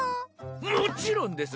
もちろんです！